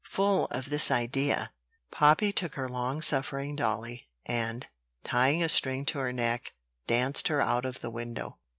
Full of this idea, Poppy took her long suffering dolly, and, tying a string to her neck, danced her out of the window.